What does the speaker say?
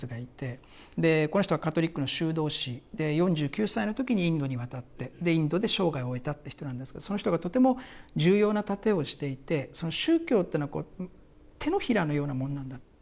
この人はカトリックの修道士４９歳の時にインドに渡ってインドで生涯を終えたって人なんですけどその人がとても重要な例えをしていてその宗教というのはこう手のひらのようなもんなんだ。